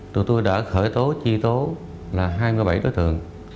tụi tôi đã khởi tố chi tố là hai mươi bảy đối tượng